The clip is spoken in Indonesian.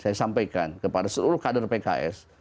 saya sampaikan kepada seluruh kader pks